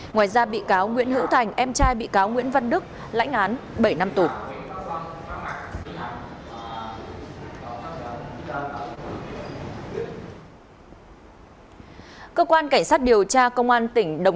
ngoài ra bị cáo nguyễn hữu thành em trai bị cáo nguyễn văn đức lãnh án bảy năm tù